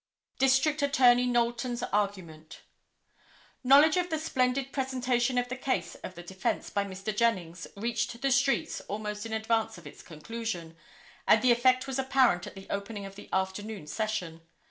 District Attorney Knowlton's Argument. Knowledge of the splendid presentation of the case of the defence by Mr. Jennings reached the streets almost in advance of its conclusion, and the effect was apparent at the opening of the afternoon session.